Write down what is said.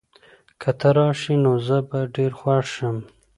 که ته راشې، نو زه به ډېر خوښ شم.